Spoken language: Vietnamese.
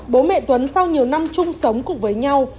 bố mẹ tuấn sau nhiều năm chung sống cùng với nhau